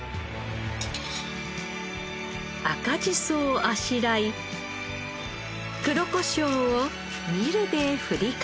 赤じそをあしらい黒コショウをミルで振りかければ。